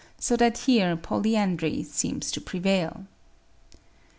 so that here polyandry seems to prevail."